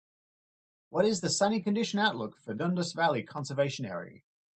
what is the sunny condition outlook for Dundas Valley Conservation Area